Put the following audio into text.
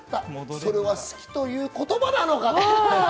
それは「好き」という言葉なのかと。